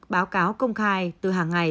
báo cáo công khai từ hàng ngày